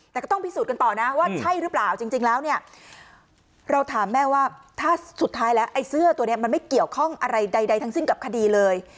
แต่ก็ต้องพิสูจน์กันต่อนะว่าใช่หรือเปล่าจริงแล้วเนี่ยเราถามแม่ว่าถ้าสุดท้ายแล้วไอ้เสื้อตัวนี้มันไม่เกี่ยวข้องอะไรใดทั้งสิ้นกับคดีเลย